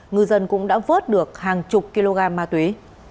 ngư dân cũng đã vớt được hàng chục kg ma túy